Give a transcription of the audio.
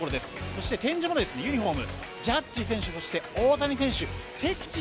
そして展示もユニホームジャッジ選手、そして大谷選手敵地